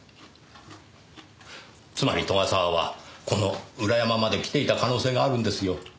つまり斗ヶ沢はこの裏山まで来ていた可能性があるんですよ。